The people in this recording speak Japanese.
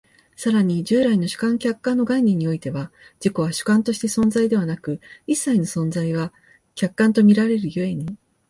更に従来の主観・客観の概念においては、自己は主観として存在でなく、一切の存在は客観と見られる故に、